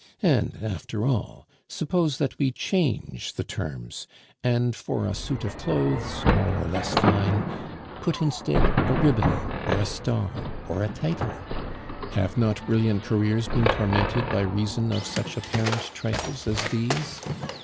And, after all, suppose that we change the terms and for a suit of clothes, more or less fine, put instead a ribbon, or a star, or a title; have not brilliant careers been tormented by reason of such apparent trifles as these?